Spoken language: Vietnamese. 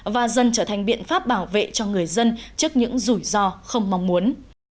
và dần trở thành biện pháp bảo vệ cho người dân trước những rủi ro không mong muốn